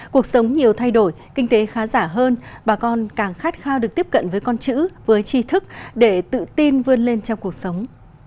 cuộc sống nhiều thay đổi kinh tế khá giả hơn bà con càng khát khao được tiếp cận với con chữ với trí thức để tự tin vươn lên trong cuộc sống